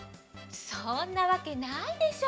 そんなわけないでしょ。